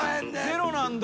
ゼロなんだ。